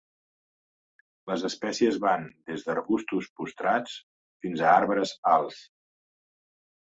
Les espècies van des d'arbustos postrats fins a arbres alts.